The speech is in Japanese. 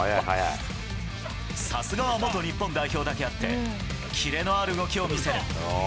さすがは元日本代表だけあって、キレのある動きを見せる。